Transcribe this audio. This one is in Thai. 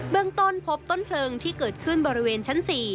เรื่องต้นพบต้นเพลิงที่เกิดขึ้นบริเวณชั้น๔